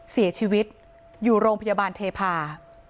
เสียชีวิตอยู่โรงพยาบาลเทพา